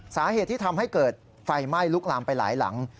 สาเหตุที่ทำให้เกิดไฟไหม้ลุกลามไปหลายหลัง